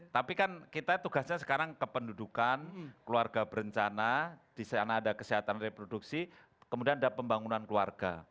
tapi kan kita tugasnya sekarang kependudukan keluarga berencana di sana ada kesehatan reproduksi kemudian ada pembangunan keluarga